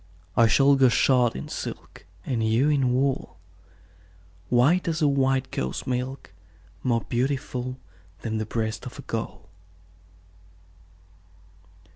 I shall go shod in silk, And you in wool, White as a white cow's milk, More beautiful Than the breast of a gull.